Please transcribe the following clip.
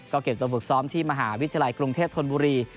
ก็เก็บตัวฝึกซ้อมที่มหาวิทยาลัยกรุงเทพธนบุรี